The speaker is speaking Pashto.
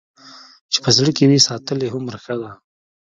چې په زړه کې وي ساتلې هومره ښه ده.